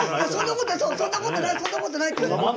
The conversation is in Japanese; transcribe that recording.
そんなことないそんなことないって。